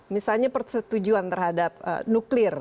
misalnya persetujuan terhadap nuklir